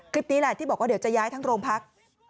คลิปนี้แหละที่บอกว่าเดี๋ยวจะย้ายทั้งโรงพัก